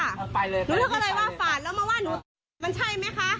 อ่าไปเลยไปเลยหนูเรียกอะไรว่าฝาดแล้วมาว่าหนูมันใช่ไหมค่ะ